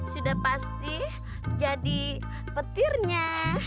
sudah pasti jadi petirnya